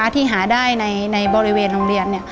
ที่หาได้ในบริเวณโรงเรียน